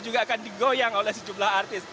juga akan digoyang oleh sejumlah artis